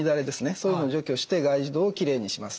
そういうのを除去して外耳道をきれいにします。